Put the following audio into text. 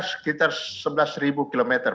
sekitar sebelas ribu kilometer